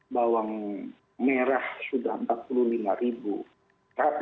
bawang merah sudah rp empat puluh lima ribu